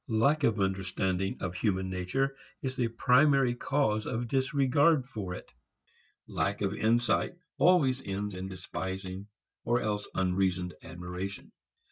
Lack of understanding of human nature is the primary cause of disregard for it. Lack of insight always ends in despising or else unreasoned admiration.